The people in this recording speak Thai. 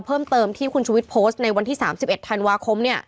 เพิ่มเติมที่คุณชุวิตโพสต์ในวันที่๓๑ธันวาคม